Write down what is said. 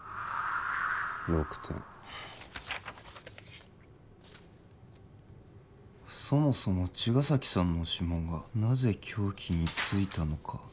６点そもそも茅ヶ崎さんの指紋がなぜ凶器についたのか？